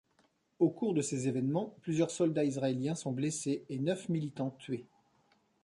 Au cours de ces évènements, plusieurs soldats israéliens sont blessés, et neuf militants tués.